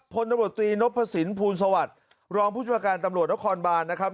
พลตรวจตรีนพระสินภูมิสวรรษรองผู้จำการตำรวจนครบานนะครับ